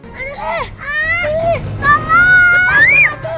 edit cover keliruan